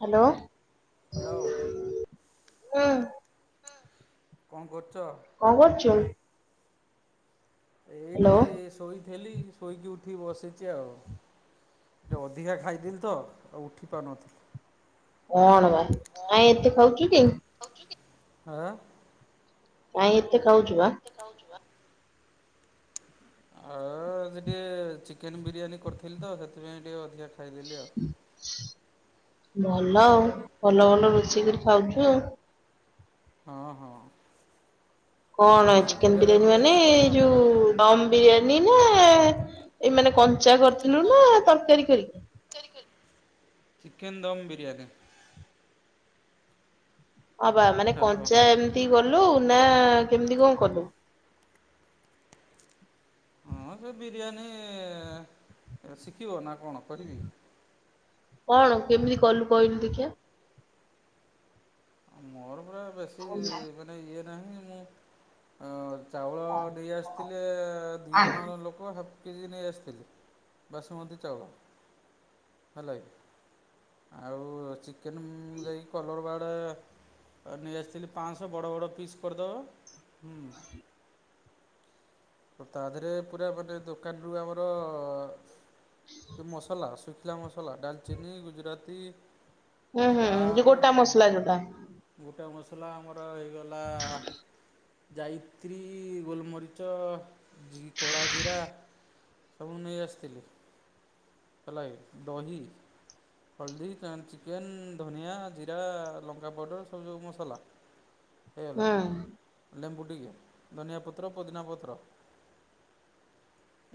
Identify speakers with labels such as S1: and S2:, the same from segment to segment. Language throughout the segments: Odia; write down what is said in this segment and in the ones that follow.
S1: ହାଲୋ।
S2: ହାଲୋ।
S1: ହୁଁ।
S2: ଉଁ କଣ କରୁଚ।
S1: କଁ କରୁଚୁ।
S2: ଏଇଠି ଶୋଇଥିଲି ଶୋଇକି ଉଠିକି ବସିଛି ଆଉ। ଟିକେ ଅଧିକା ଖାଇଦେଲି ତ ଆଉ ଉଠି ପାରୁନଥିଲି।
S1: କଣ ବା
S2: ଆଁ।
S1: କାଇଁ ଏତେ ଖାଉଛୁ କି?
S2: ହା।
S1: କାଇଁ ଏତେ ଖାଉଛୁ ବା।
S2: ଖାଉଛୁ ବା। ଆଉ ଆଜି ଟିକେ ଚିକେନ ବିରିୟାନୀ କରିଥିଲି ତ ସେଥିପାଇଁ ଟିକେ ଅଧିକା। ଖାଇଦେଲି ଆଉ।
S1: ଭଲ ଆଉ
S2: ହ୍ୟାଲୋ
S1: ଭଲ ଭଲ ରୋଷେଇ କରି ଖାଉଛୁ ଆଉ।
S2: ହଁ ହଁ।
S1: କଣ
S2: ରୋଷେଇ
S1: ଚିକେନ
S2: କରିବାରେ
S1: ବିରିୟାନୀ
S2: ଆମର
S1: ମାନେ
S2: ଏକ୍ସପର୍ଟ
S1: ଏଇ
S2: ଆମେ
S1: ଯୋଉ
S2: ପୁରା
S1: ଦମ୍ ବିରିୟାନୀ। ନେ ଏଇ ମାନେ କଞ୍ଚା କରିଥିଲୁ ନା ତରକାରୀ କରିକି?
S2: ଚିକେନ ଦମ ବିରିୟାନି।
S1: ହଁ ବା ମାନେ
S2: ହ୍ୟାଲୋ
S1: କଞ୍ଚା ଏମିତି କଲୁ। ନା କେମିତି କଣ କଲୁ।
S2: ହଁ ସେ ବିରିୟାନୀ ଶିଖିବ ନା କଣ କରିବି?
S1: କଣ କେମିତି କଲୁ କହିଲୁ ଦେଖିବା?
S2: ମୋର ପୁରା ବେଶୀ ମାନେ ଇଏ ନାହିଁ ମୁଁ ଅ। ଚାଉଳ ନେଇ ଆସିଥିଲି ଦୁଇ ଜଣ ଲୋକ ହାପ୍। କେଜି ନେଇ ଆସିଥିଲି ବାସୁମତୀ ଚାଉଳ। ହେଲା କି ଆଉ ଚିକେନ ମୁ ଯାଇକି କଲର ବାଡ୍। ନେଇ ଆସିଥିଲି ପାଁଶ ବଡ ବଡ ପିସ୍ କରିଦବ
S1: [inaudible]
S2: ତା ଦେହରେ ପୁରା ମାନେ ଦୋକାନରୁୁ ଆମର ଅ- ମସଲା ଆସୁଚି। ଗୋଟା ମସଲା ଡାଲଚିନୀ ଗୁଜୁରାତି
S1: ହୁଁ ହୁଁ ଯେ
S2: ଷ୍ଟାର୍
S1: ଗୋଟା ମସଲା ଯୋଟା।
S2: ଗୋଟା ମସଲା ଆମର ହେଇଗଲା ଯାୟିତ୍ରୀ ଗୋଲମରିଚ ଜି-କଳା ଜିରା ସବୁ ନେଇ ଆସିଥିଲି। ଫଲାଇ ଦହି। ହଳଦୀ ଚିକେନ ଧନିଆ ଜିରା ଲଙ୍କା ପାଉଡର ସବୁ ସବୁ ମସଲା। ହେଇଗଲା
S1: ହୁଁ
S2: ଲେମ୍ବୁ। ଧନିଆ ପତ୍ର ପୋଦିନା ପତ୍ର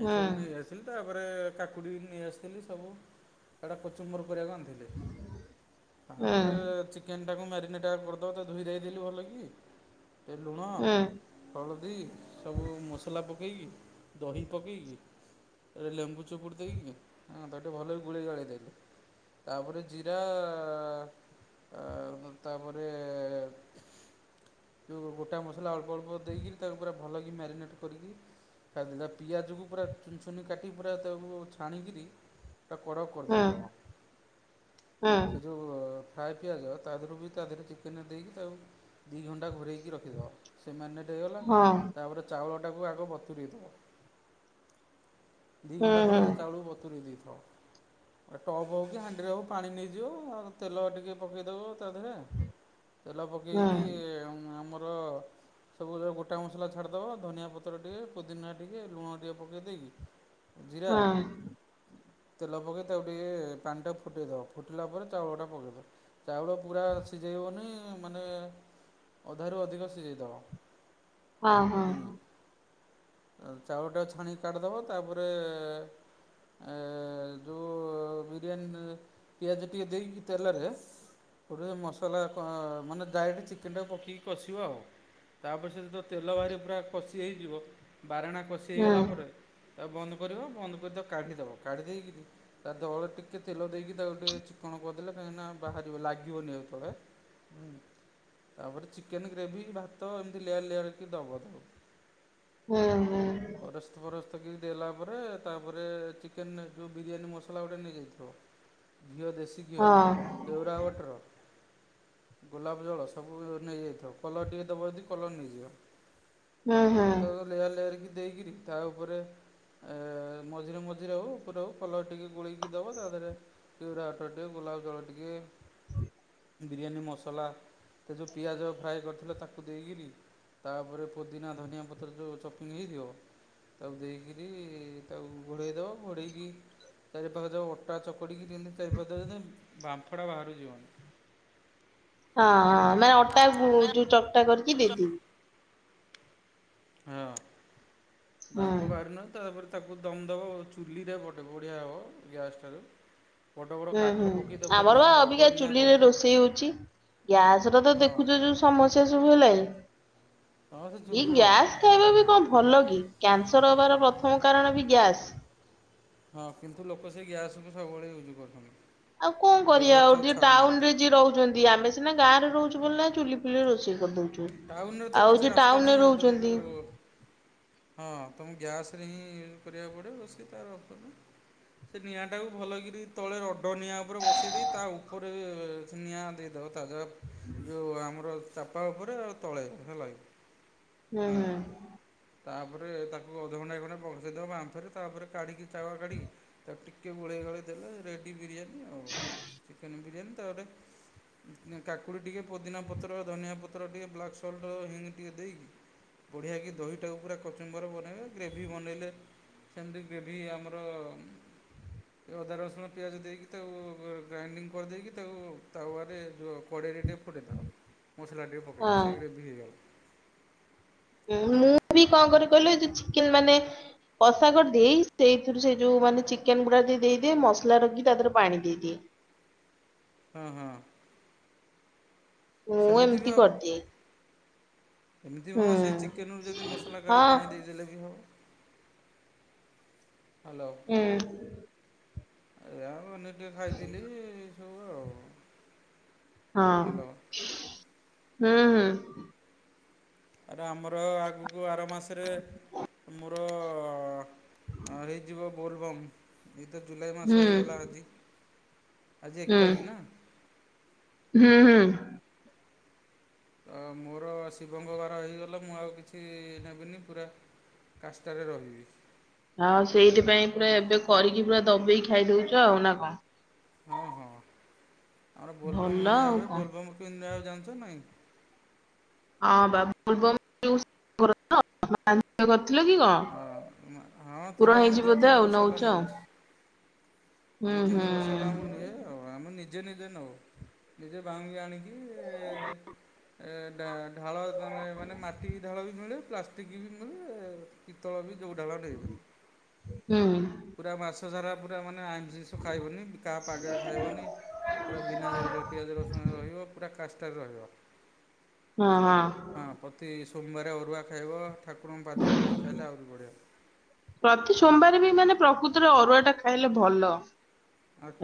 S1: ହୁଁ
S2: ଏସବୁ ନେଇ ଆସିଲି ତ ତାପରେ କାକୁଡ଼ି ନେଇ ଆସିଥିଲି ସବୁ ସେଟା କଚୁମ୍ବର କରିଆକୁ ଆଣିଥିଲି
S1: ହୁଁ
S2: ତାପରେ ଚିକେନ ତାକୁ ମ୍ୟାରିନେଟ୍ ଆଗରୁ ଧୋଇ ଧାଇଦେଲିି ଭଲ କି। ଲୁଣ
S1: ହୁଁ
S2: ହଳଦୀ ସବୁ ମସଲା ପକେଇ ପକେଇକି ଦହି ପକେଇକି ଲେମ୍ବୁ ଚିପୁଡି ଦେଇକି ହଁ ତାକୁ ଟିକେ ଭଲ କି ଗୁଳେଇ ଗାଳେଇ ଦେଲି ତାପରେ ଜିରା ଆ ତାପରେ ଯୋଉ ଗୋଟା ମସଲା ଅଳ୍ପ ଅଳ୍ପ ଦେଇକିରି ତାକୁ ପୁରା ଭଲକି ମ୍ୟାରିନେଟ୍ କରିକି [unintelligible] ପିଆଜକୁ ପୁରା ଚୁନ ଚୁନି କାଟିି ପୁରା ତାକୁ ଛାଣିକିରି ତା କଡ଼
S1: ହୁଁ
S2: କରିଦେଇଥବ
S1: ହୁଁ
S2: ସେ ଯୋଉ ଫ୍ରାଏ ପିଆଜ ତା ଦେହରୁ ବି ତା ଦେହରେ ଚିକେନେ ଦେଇକି ତାକୁ ଦି ଘଣ୍ଟା ଘରୋଇକି ରଖିଦବ ସେ ମ୍ୟାନେଟ ହେଇଗଲା
S1: ହଁ।
S2: ତାପରେ ଚାଉଳ ତାକୁ ଆଗ ବତୁରେଇ ଦବ ଦି ଘଣ୍ଟା ଖଣ୍ଡେ ସେ ଚାଉଳକୁ ବତୁୁରେଇଦେ ହଉ ଟପ୍ ହେଉ କି ହାଣ୍ଡିରେ ହେଉ ପାଣି ନେଇଯିବ ଆଉ ତେଲ ଟିକେ ପକେଇଦେବ ତା ଦେହରେ ତେଲ ପକେଇକି ଆମର ସବୁ ଗୋଟା ମସଲା ଛାଡ଼ିଦେବ ଧନିଆ ପତ୍ର ଟିକେ ପୁଦିନା ଟିକେ ଲୁଣ ଟିକେ ପକେଇ ଦେଇକି ଜିରା
S1: ହୁଁ।
S2: ତେଲ ପକେଇ ତାକୁ ଟିକେ ପାଣି ଟା ଫୁଟେଇ ଦବ ଫୁଟିଲା ପରେ ଚାଉଳ ଟା ପକେଇଦବ ଚାଉଳ ପୁରା ସିଝେଇବନି ମାନେ ଅଧାରୁ ଅଧିକ ସିଝେଇ ଦେବ।
S1: ହଁ ହଁ।
S2: ଚାଉଳଟା ଛାଣିକି କାଢି ଦବ ତାପରେ ଏ ଯୋଉ ବ-ବିରିୟାନୀ ପିଆଜ ଟିକେ ଦେଇକି ତେଲରେ ଗୋଟେ ମସଲା ମାନେ ଡାରେକ୍ଟ ଚିକେନ ଟା ପକେଇକି କଷିବ ଆଉ। ତାପରେ ସେ ତେଲ ବାହାରି ପୁରା କଷି ହେଇଯିବ। ବାରେଣା କଷି ହେଇଗଲା ପରେ ତାକୁ ବନ୍ଦ କରିବ ବନ୍ଦ କରିଦ କାଢ଼ିଦବ କାଢ଼ିଦେଇକି ତା ଦଳେ ଟିକେ ତେଲ ଦେଇକି ତାକୁ ଟିକେ ଚିକ୍କଣ କରିଦେଲେ କାହିଁକି ନା ବାହାରିବନି ଲା ଲାଗିବନି ଆଉ ଥରେ ହୁଁ। ତାପରେ ଚିକେନ ଗ୍ରେଭି ଭାତ ଏମିତି ଲେୟାର ଲେୟାର କି ଦବ। ପରସ୍ତ ପରସ୍ତ କି ଦେଲା ପରେ ତାପରେ ତାରେ ଚିକେନ୍ ଯେଉଁ ବିରିୟାନୀ ମସଲା ଗୋଟେ ନେଇଯାଇଥିବ। ଘିଅ ଦେଶୀ ଘିଅ କେଉରାୱାଟର। ଗୋଲାପ ଜଳ ସବୁ ନେଇଯାଇଥିବ କଲର ଟିକେ ଦବ ଯଦି କଲର ନେଇଯିବ। ଆଉ ତ ଲେୟାର ଲେୟାର କି ଦେଇକିରି ତା ଉପରେ ଏ ମଝିରେ ମଝିରେ ହଉ ଉପରେ ହଉ କଲର ଟିକେ ଗୋଳେଇକି ଦେବ ତା ଦେହରେ କେଉରା ୱାଟର ଟିକେ ଗୋଲାପ ଜଳ ଟିକେ ବିରିୟାନୀ ମସଲା ସେ ଯୋଉ ପିଆଜ ଫ୍ରାଏ କରିଥିଲ ତାକୁ ଦେଇକିରି ତାପରେ ପୋଦିନା ଧନିଆ ପତ୍ର ଯୋଉ ଚପିଙ୍ଗ ହେଇଥିବ ତାକୁ ଦେଇକରି ତାକୁ ଘୋଡ଼େଇଦବ ଘୋଡ଼େଇକି ଚାରି ପାଖରେ ଯଉ ଅଟା ଚକୁଡିକି ଦିଅନ୍ତି ଚାରି ପାଖରେ ଯି-ବାମ୍ଫଡା ବାହାରୁ ଯିବନି।
S1: ହଁ ହଁ
S2: ବୁଝିଲ
S1: ନା
S2: କି? ହଁ
S1: ଅଟା
S2: ମାନେ
S1: ଗୁ-ଯୋଉ ଚକଟା କରିକି ଦେଇଦବି।
S2: ହଁ
S1: ହୁଁ।
S2: ବାମ୍ଫ ବାହାରୁନ, ତାପରେ ତାକୁ ଦମ୍ ଦବ ଚୁଲିରେ, ଗୋଟେ ବଢିଆ ହବ ଗ୍ୟାସ ଠାରୁ।
S1: ହୁଁ- ହୁଁ ଆମର ବା ଅବିକା
S2: ନିଆଁ
S1: ଚୁଲିରେ
S2: କରିଥିବ
S1: ରୋଷେଇ ହଉଛି। ଗ୍ୟାସର ତ
S2: ହଁ
S1: ଦେଖୁଛ ଯୋଉ ସମସ୍ୟା ସବୁ ହେଲାଇଁ।
S2: ହଁ ସେ
S1: ଏ
S2: ଚୁଲି ଭଲ
S1: ଗ୍ୟାସ ଖାଇବା ବି କଣ ଭଲ କି? କ୍ୟାନସର୍ ହବାର ପ୍ରଥମ କାରଣ ବି ଗ୍ୟାସ୍।
S2: ହଁ କିନ୍ତୁ ଲୋକ ସେଇ ଗ୍ୟାସ ବି ସବୁବେଳେ ୟୁଜ୍ କରୁଛନ୍ତି।
S1: ଆଉ କଣ କରିଆ
S2: ବ୍ୟବହାର
S1: ଆଉ,
S2: ତାକୁ
S1: ଯିଏ ଟାଉନ୍
S2: ଛାଡ଼ୁନାହାନ୍ତି।
S1: ରେ ଯିଏ ରହୁଛନ୍ତି। ଆମେ ସିନା ଗାଁରେ ରହୁଛୁ ବୋଲି ନା ଚୁଲି ଫୁଲିରେ ରୋଷେଇ କରିଦଉଚୁ।
S2: ଟାଉନ୍ ରେ ତ କିଛି ରାସ୍ତା ନାହିଁ ଆଉ, ତମକୁ ହଁ ତମକୁ ଗ୍ୟାସ୍ ସ୍ ହିଁ କରିବାକୁ ପଡିବ। ରୋଷେଇ ତାର ସେ ନିଆଁ ଟାକୁ ଭଲକରି ତଳେ ରଡ ନିଆଁ ଉପରେ ବସେଇ ଦେଇ, ତା ଉପରେ ନିଆଁ ଦେଇଦବ। [unintelligible] ଯୋଉ ଆମର ଚାପା ଉପରେ ଆଉ ତଳେ ହେଲାକି।
S1: ହୁଁ- ହୁଁ।
S2: ତା ପରେ ତାକୁ ଅଧଘଣ୍ଟାଇ ଖଣ୍ଡେ ବସେଇଦବ, ବାମ୍ଫରେ ତାପରେ କାଢ଼ିକି ତାୱା କାଢ଼ିକି ତାକୁ ଟିକେ ଟିକେ ଗୋଳେଇ ଗାଳେଇ ଦେଲେ ରେଡ଼ି ବିରିୟାନୀ। ଆଉ। ଚିକେନ୍ ବିରିୟାନୀ ତାପରେ କାକୁଡି ଟିକେ ପୋଦିନା ପତ୍ର, ଧନିଆ ପତ୍ର, ଟିକେ ବ୍ଲାକ୍ ସଲ୍ଟ ହିଙ୍ଗୁ ଟିକେ ଦେଇକି ବଢିଆ କି ଦହିଟାକୁ ପୁରା କଚୁମ୍ବର ବନେଇବେ, ଗ୍ରେଭି ବନେଇଲେ ସେମିତି ଗ୍ରେଭି ଆମର ଅଦା, ରସୁଣ, ପିଆଜ ଦେଇକି ତାକୁ ଗ୍ରାଇଡିଙ୍ଗ କରିଦେଇକି, ତାକୁ ତାୱାରେ କଢ଼େଇ [unintelligible] ଟିକେ ପକେଇଦେଲ, ମସଲା ଟିକେ
S1: ହଁ
S2: ପକେଇଛି। ବିରୀୟାନି
S1: ମୁଁ ବି କଣ କରେ କହିଲ, ଏ ଯୋଉ ଚିକେନ ମାନେ କଷାକରି ଦେଇ ସେଇଥିରୁ ସେ ଯୋଉ ମାନେ ଚିକେନ ଗୁଡା ଦେଇଦିଏ, ମସଲା ରଖି ତା ଦେହରେ ପାଣି ଦେଇଦିଏ।
S2: ହୁଁ- ହୁଁ।
S1: ମୁଁ ଏମିତି କରିଦିଏ।
S2: ଏମିତି ବି
S1: ହୁଁ
S2: ହଁ ସେଇ ଚିକେନରୁୁ ଯଦି ମସଲା
S1: ହଁ
S2: କାଢ଼ି ପାଣି ଦେଇଦେଲେ ବି ହବ। ହ୍ୟାଲୋ
S1: ହୁଁ
S2: ଆ [unintelligible] ଟିକେ ଖାଇଥିଲି। ହଉ ଆଉ।
S1: ହଁ-
S2: ହ୍ୟାଲୋ
S1: ହୁଁ- ହୁଁ।
S2: ଆରେ ଆମର ଆଗକୁ ଆର ମାସରେ ମୋର ହଁ ହେଇଯିବ ବୋଲବମ୍। ଏଇ ତ ଜୁଲାଇ ମାସ
S1: ହୁଁ
S2: ହେଇଗଲା ଆଜି, ଆଜି
S1: ହୁଁ
S2: ଏକ ତାରିଖ ନା?
S1: ହୁଁ- ହୁଁ।
S2: ତ ମୋର ଶିବଙ୍କ ବାର ହେଇଗଲେ, ମୁଁ ଆଉ କିଛି ନେବିନି ପୁରା କାଷ୍ଟାରେ ରହିବି।
S1: ହଁ ସେଇଥିପାଇଁ
S2: ବ
S1: ପୁରା ଏବେ କରିକି ପୁରା ଦବେଇକି ଖାଇଦଉଛ ଆଉ ନା କଣ?
S2: ହଁ -ହଁ ଆମର ବୋଲବମ୍
S1: ଭଲ
S2: ନିଆ
S1: ଆଉ
S2: ହୁଏ।
S1: କଣ
S2: ବୋଲବମ୍ କେ ନିଆ ଜାଣିଛ ନା ନାଇଁ?
S1: ହଁ ବା। ବୋଲବମ୍ [unintelligible]
S2: ହଁ ହଁ
S1: ପୁରଣ
S2: ଥିଲା ମୁଁ
S1: ହେଇଛି
S2: ଦିଇ
S1: ବୋଧେ
S2: ତିନି
S1: ଆଉ
S2: ବର୍ଷ
S1: ନଉଛ
S2: ହେଲା
S1: ଆଉ
S2: ନଉଛି
S1: ହୁଁ
S2: ଦି ତିନି ବର୍ଷ ହେଲା
S1: ହୁଁ।
S2: ଆମ ନିଏ, ଆଉ ଆମେ ନିଜେ ନିଜେ ନଉ ନିଜେ ବାହାଙ୍ଗି ଆଣିକି ଏ ଢାଳ ମେ ମାନେ ମାଟି ଢାଳ ବି ମିଳେ ପ୍ଲାଷ୍ଟିକ ବି ମିଳେ ପିତଳ ବି ଜଉ ଢାଳ ନେଇପାରିବ
S1: ହୁଁ
S2: ପୁରା ମାସ ସାରା ପୁରା ମାନେ ଆଇମ ଜିନିଷ ଖାଇବନି କାହା ପାଗରେ ଖାଇବନି। ପୁରା ବିନା ପିଆଜ ରସୁଣ ରେ ରହିବ ପୁରା କା ରହିବ
S1: ହଁ ହଁ
S2: ହଁ ପ୍ରତି ସୋମବାର ଅରୁଆ ଖାଇବ ଠାକୁରଙ୍କ ପାଦୁଅ କହି ଖାଇଲେ ଆହୁରି
S1: ପ୍ରତି
S2: ବଢ଼ିଆ ହଁ
S1: ସୋମବାର ବି ମାନେ ପ୍ରକୃତରେ ଅରୁଆ ଟା ଖାଇଲେ ଭଲ।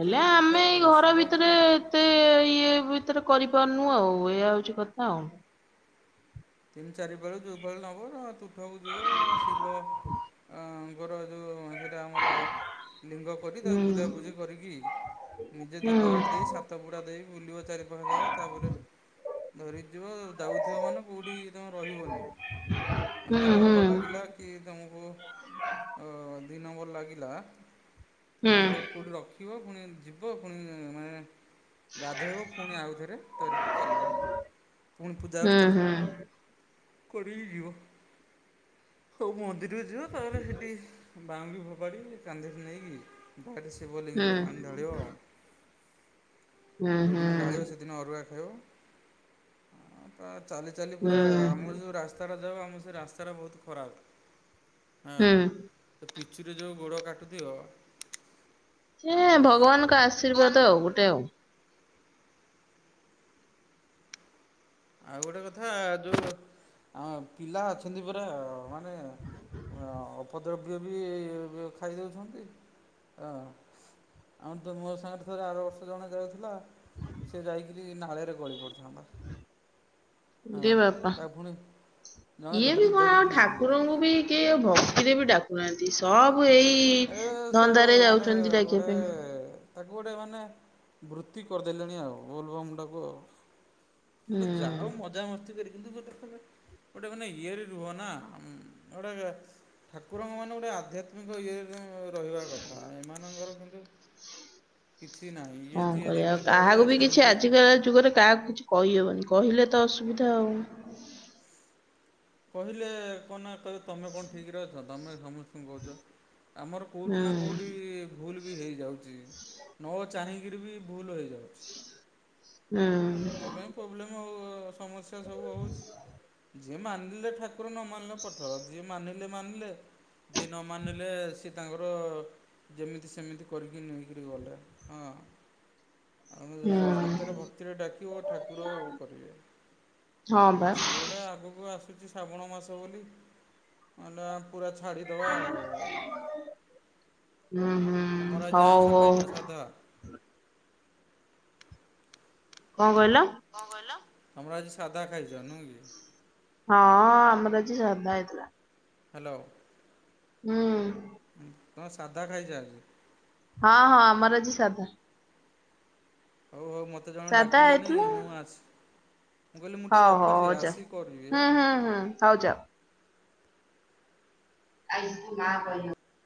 S1: ହେଲେ ଆମେ
S2: ଖାଇବା
S1: ଏଇ
S2: କଥା
S1: ଘର
S2: ଶିବଙ୍କ
S1: ଭିତରେ
S2: ଭକ୍ତ
S1: ଏତେ ଇଏ ଭିତରେ କରି ପାନୁ ଆଉ ଏଇୟ ହଉଛି କଥା ଆଉ।
S2: ତିନି ଚାରି ବେଳ ଯୋଉ ବେଳ ନବ ତୁଠକୁ ଯିବ ଶିବ ଅ ତୋର ଯୋଉ ସେଇଟା ଆମର ଲିଙ୍ଗ କରି ତା
S1: ହୁଁ
S2: ପୂଜାପୂଜି କରିକି ନିଜେ
S1: ହୁଁ
S2: ଧୂପ କାଠି ଦେଇ ସାତ ପୁଡା ଦେଇ ବୁଲିବ ଚାରି ପାଖେ ଯାକ ତାପରେ ଧରିକି ଯିବ ଯାଉଥିବ ମାନେ କୋଉଠି ତମେ ରହିବନି। ମାନେ
S1: ହୁଁ
S2: ଧର
S1: ହୁଁ
S2: ଏକ
S1: ହୁଁ
S2: ଲାଗିଲା କି ତମକୁ ଅ ଦୁଇ ନମ୍ବର ଲାଗିଲା ତାହେଲେ
S1: ହୁଁ
S2: ତମେ ସେଇଠି କେଉଁଠି ରଖିବ। ପୁଣି ଯିବ ପୁଣି ମାନେ ଗାଧୋଇବ ପୁଣି ଆଉଥରେ ଧରିକି ଚାଲିବ ପୁଣି ପୂଜା ଅର୍ଚ୍ଚନା
S1: ହୁଁ। ହୁଁ ହୁଁ
S2: କରିକି ଯିବ ହଉ ମନ୍ଦିରକୁ ଯିବ ତାପରେ ସେଠି ବାଉଙ୍ଗି ଫୋପାଡ଼ିକି କାନ୍ଧ ରେ ନେଇକି ବାରେ ଶିବଲିଙ୍ଗରେ ପାଣି ଢାଳିବ ଆଉ। ଯୋଉ
S1: ହୁଁ
S2: ଦିନ ଢାଳିବ ସେଦିନ ଅରୁଆ ଖାଇବ। ତା ଚାଲି ଚାଲି
S1: ହୁଁ
S2: ପୁରା ଆମର ଯଉ ରାସ୍ତାଟା ଯାଉ ଆମ ସେ ରାସ୍ତାଟା ବହୁତ ଖରାପ। ହଁ
S1: ହୁଁ।
S2: ତ ପିଚୁରେ ଯୋଉ ଗୋଡ କାଟୁଥିବ।
S1: ଏ ଭଗବାନଙ୍କ ଆଶୀର୍ବାଦ ଆଉ ଗୋଟେ ଆଉ।
S2: ଆଉ ଗୋଟେ କଥା ଯୋଉ ଆ ପିଲା ଅଛନ୍ତି ପରା ଅ ମାନେ ଅ ଅଭଦ୍ ଦ୍ରବ୍ୟ ବି ଖାଇ ଦେଉଛନ୍ତି ହଁ। ଆଉ ତ ମୋ ସାଙ୍ଗରେ ଥରେ ଆର ବର୍ଷ ଜଣ ଯାଉଥିଲା ସେ ଯାଇକିରି ନାଳରେ ଗଳି ପଡିଥାନ୍ତା। ହଁ
S1: ଇରେ ବାପା।
S2: ତା ଫୁଣି
S1: ଇଏ ବି କଣ ଠାକୁରଙ୍କୁ ବି କିଏ ଭକ୍ତିରେ ବି ଡାକୁ ନାନ୍ତି। ସବୁ ଏଇ
S2: ଏ ସେ
S1: ଧନ୍ଦାରେରେ
S2: ମାନେ
S1: ଯାଉଛନ୍ତି ଡାକିବା
S2: ଗୋଟେ
S1: ପାଇଁ।
S2: ତାକୁ ଗୋଟେ ମାନେ ବୃତ୍ତି କରିଦେଲେଣି ଆଉ ବୋଲବମ୍ ଟାକୁ ଆଉ। ଆମେ ତ ଯାଉ
S1: ହୁଁ
S2: ମଜା ମସ୍ତି କରିକି। [unintelligible] ଗୋଟେ ମାନେ ଇଏ ରେ ରୁହ ନା ଗୋଟେ ଠାକୁରଙ୍କ ମାନେ ଗୋଟେ ଆଧ୍ୟାତ୍ମିକ ଇଏରେ ରହିବା କଥା ଏମାନଙ୍କର କିନ୍ତୁ କିଛି ନାହିଁ ଇଏ
S1: କଣ
S2: ଯିଏ
S1: କରିବା ଆଉ
S2: ଯେମିତି ପାଇଲେ
S1: କାହାକୁ ବି କିଛି
S2: ସେମିତି
S1: ଆଜିକା ଯୁଗରେ କାହାକୁ କିଛି କହିହେବନି। କହିଲେ ତ ଅସୁବିଧା ଆଉ।
S2: କହିଲେ କନା କହିଲେ ତମେ କଣ ଠିକରେ ଅଛ ତମେ ସମସ୍ତେ ତଣ କହୁଛ ଆମର
S1: ହୁଁ
S2: କେଉଁଠି ନା କେଉଁଠି ଭୁଲ ବି ହେଇଯାଉଛି। ନ ଚାହିଁକିରି ବି ଭୁଲ ହେଇ
S1: [unintelligible]
S2: ସେଥିପାଇଁ ପ୍ରୋବ୍ଲେମ ଆଉ ସମସ୍ୟା ସବୁ ହଉଛି। ଯିଏ ମାନିଲେ ଠାକୁର ନ ମାନିଲେ ପଥର ଯିଏ ମାନିଲେ ମାନିଲେ। ଯିଏ ନ ମାନିଲେ ସେ ତାଙ୍କର ଯେମିତି ସେମିତି କରିକି ନେଇକରି ଗଲେ ହଁ। ଆମ
S1: ହୁଁ
S2: ସତର ଭ ଡାକିିବ ଠାକୁର ଓ କରିବେ
S1: ହଁ
S2: ଏଇ
S1: ବା
S2: ସେ ଗୁଡା ଆଗକୁ ଆସୁଛି ଶ୍ରାବଣ ମାସ ବୋଲି। [unintelligible] ପୁରା ଛାଡିଦବା ଆଉ।
S1: ହୁଁ ହୁଁ
S2: ତମର ଆଜି
S1: ହଉ
S2: ଆଇଁଷ ଖାଇନ ସାଧା?
S1: ହଉ। କଣ କହିଲ?
S2: କଣ କହିଲ, ତମର ଆଜି ସାଧା ଖାଇଛ ନୁହ କି?
S1: ହଁ ଆମର ଆଜି ସାଧା ହେଇଥିଲା।
S2: ହ୍ୟାଲୋ।
S1: ହୁଁ।
S2: ତମେ ସାଧା ଖାଇଚ ଆଜି।
S1: ହଁ ହଁ ଆମର ଆଜି ସାଧା।
S2: ହଉ ହଉ ମତେ ଜଣ
S1: ସାଧା
S2: ଡାକିଲେଣି
S1: ହେଇଥିଲା।
S2: ମୁଁ ଆସ
S1: ହଉ ହଉ ହଉ ଯା ହୁଁ
S2: ଆଉ।
S1: ହୁଁ ହୁଁ ହଉ ଯାଅ। [unintelligible]